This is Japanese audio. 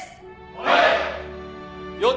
はい。